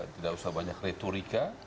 tidak usah banyak returika